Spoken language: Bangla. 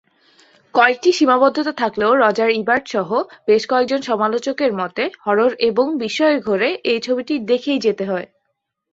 কয়েকটি সীমাবদ্ধতা থাকলেও রজার ইবার্ট সহ বেশ কয়েকজন সমালোচকের মতে, হরর এবং বিস্ময়ের ঘোরে এই ছবিটি দেখেই যেতে হয়ে।